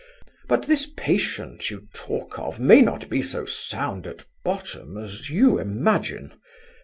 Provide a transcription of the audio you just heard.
But this patient you talk of may not be so sound at bottom as you imagine.